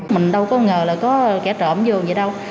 mình đâu có ngờ là có kẻ trộm vô vậy đâu